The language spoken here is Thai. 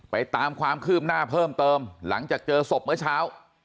ตามความคืบหน้าเพิ่มเติมหลังจากเจอศพเมื่อเช้า